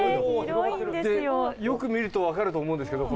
でよく見ると分かると思うんですけど